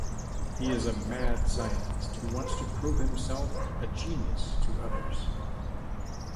He is a mad scientist who wants to prove himself a genius to others.